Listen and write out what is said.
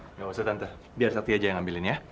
nggak usah tante biar sakti aja yang ambilin ya